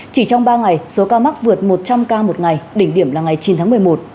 chỉ trong ba ngày số ca mắc vượt một trăm linh ca một ngày đỉnh điểm là ngày chín tháng một mươi một